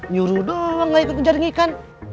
nyuruh dong gak ikut menjaring ikan